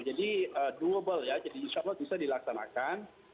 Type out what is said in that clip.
jadi doable ya jadi insya allah bisa dilaksanakan